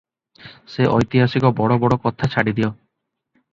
ସେ ଐତିହାସିକ ବଡ଼ ବଡ଼ କଥା ଛାଡ଼ିଦିଅ ।